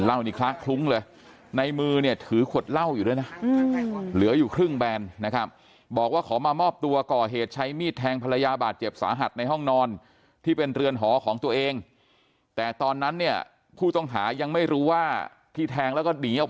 เล่ามือถือควดเล่าอยู่แล้วนะอืม